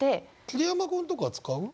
桐山君とか使う？